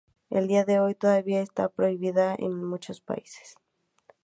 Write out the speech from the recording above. Al día de hoy, todavía está prohibida en muchos países.